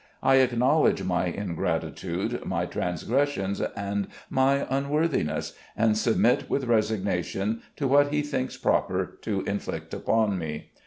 I acknowledge my ingratitude, my trans gressions, and my vmworthiness, and submit with resig nation to what he thinks proper to inflict upon me.